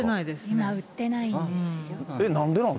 今、売ってないんですよ。